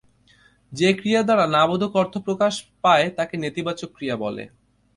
যে ক্রিয়া দ্বারা না-বোধক অর্থ প্রকাশ পায় তাকে নেতিবাচক ক্রিয়া বলে।